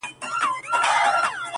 زما د ستړي ژوند مزل ژاړي، منزل ژاړي_